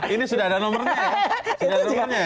ini sudah ada nomornya